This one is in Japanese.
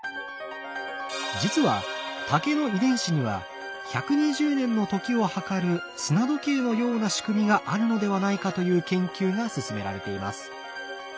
実は竹の遺伝子には１２０年の時を計る砂時計のような仕組みがあるのではないかという研究が進められています。